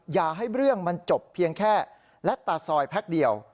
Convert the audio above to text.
อย่าให้เรื่องมันจบเพียงแค่และตาซอยแพ็คเดียว